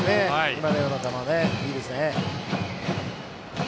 今のような球、いいですね。